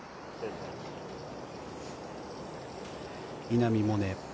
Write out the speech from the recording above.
稲見萌寧。